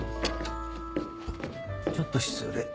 ちょっと失礼。